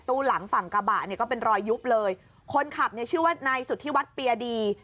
หลังฝั่งกระบะเนี่ยก็เป็นรอยยุบเลยคนขับเนี่ยชื่อว่านายสุธิวัฒน์เปียดี